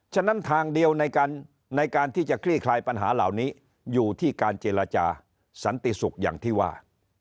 ฉะนั้นทางเดียวในการที่จะคลี่คลายปัญหาเหล่านี้อยู่ที่การเจรจาสันติศุกร์อย่างที่ว่า